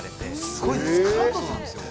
◆すごいですね。